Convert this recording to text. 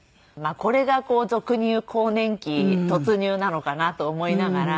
これが俗に言う更年期突入なのかなと思いながら。